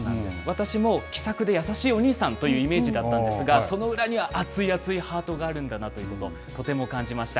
私も気さくで優しいお兄さんというイメージだったんですが、その裏には熱い熱いハートがあるんだなということ、とても感じました。